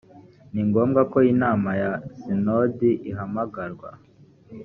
ni ngombwa ko inama ya sinodi ihamagarwa